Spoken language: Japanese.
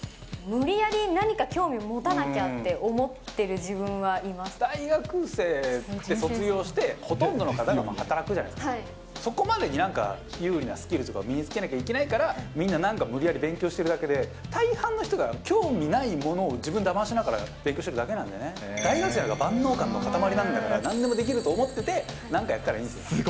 無理やり何か興味持たなきゃ大学生って、卒業して、ほとんどの方が働くじゃないですか、そこまでになんか、有利なスキルとかを身につけなきゃいけないから、みんななんか、無理やり勉強してるだけで、大半の人が興味ないものを自分をだましながら勉強してるだけなんでね、大学生なんて万能感の塊なんだから、なんでもできると思ってて、すごい。